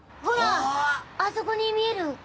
ほらあそこに見える。